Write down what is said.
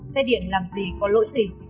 xe điện làm gì có lỗi gì